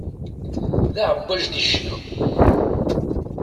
D aεebbwaj di ccna.